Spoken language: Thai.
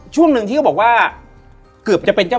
และยินดีต้อนรับทุกท่านเข้าสู่เดือนพฤษภาคมครับ